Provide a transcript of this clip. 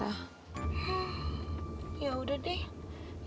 hmm ya udah deh